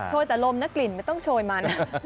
ช่วยแต่ลมนะกลิ่นไม่ต้องช่วยมัน